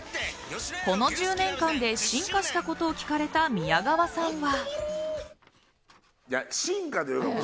この１０年間で進化したことを聞かれた宮川さんは。